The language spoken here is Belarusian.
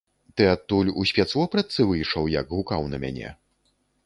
Ты адтуль у спецвопратцы выйшаў, як гукаў на мяне?